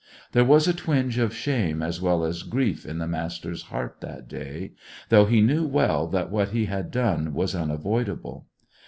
There was a twinge of shame as well as grief in the Master's heart that day, though he knew well that what he had done was unavoidable.